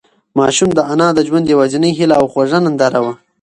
ماشوم د انا د ژوند یوازینۍ هيله او خوږه ننداره وه.